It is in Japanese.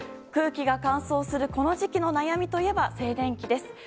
空気が乾燥するこの時期の悩みといえば静電気です。